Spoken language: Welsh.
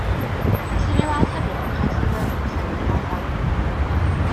Gellir ei weld hefyd mewn rhai llynnoedd yng ngorllewin yr Alban.